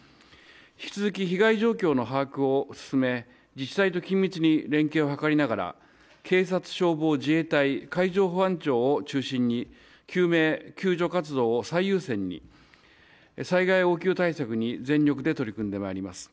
引き続き被害状況の把握を進め自治体と緊密に連携を図りながら警察、消防、自衛隊、海上保安庁を中心に救命救助活動を最優先に災害応急対策に全力で取り組んでまいります。